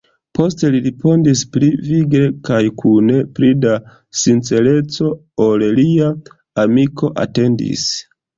Poste li respondis pli vigle kaj kun pli da sincereco, ol lia amiko atendis: